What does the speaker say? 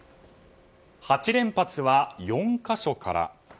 ８連発は４か所から。